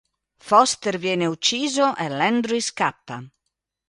Foster viene ucciso e Landry scappa.